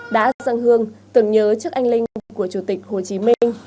đã dâng hương tưởng nhớ trước anh linh của chủ tịch hồ chí minh